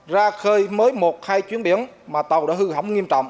ra khơi mới một hai chuyến biển mà tàu đã hư hỏng nghiêm trọng